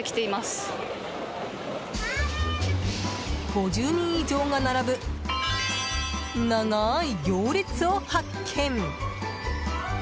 ５０人以上が並ぶ長い行列を発見。